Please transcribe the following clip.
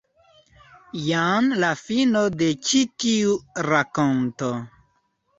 Jen la fino de ĉi tiu rakonto.